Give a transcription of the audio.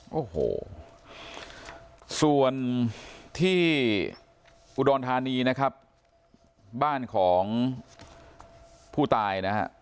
โอ้โหส่วนที่อุดรธานีนะครับบ้านของผู้ตายนะฮะ